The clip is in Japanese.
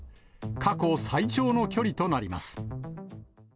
過去最長の距離となります。